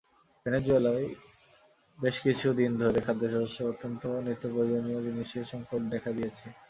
ভেনেজুয়েলায় বেশ কিছু দিন ধরে খাদ্যসহ অন্যান্য নিত্যপ্রয়োজনীয় জিনিসের সংকট দেখা দিয়েছে।